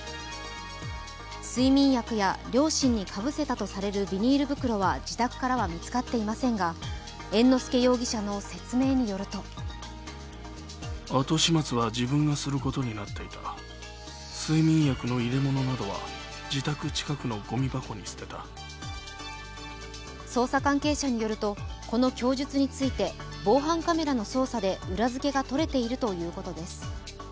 睡眠薬や両親にかぶせたとされるビニール袋は自宅からは見つかっていませんが猿之助容疑者の説明によると捜査関係者によると、この供述について防犯カメラの捜査で裏づけが取れているということです。